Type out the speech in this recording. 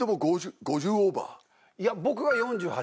いや僕が４８。